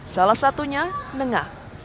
salah satunya nengah